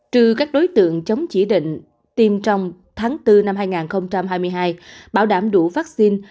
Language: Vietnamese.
trừ các đối tượng chống chỉ định tiêm trong tháng bốn năm hai nghìn hai mươi hai bảo đảm đủ vaccine